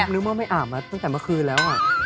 นึกว่าไม่อาบมาตั้งแต่เมื่อคืนแล้ว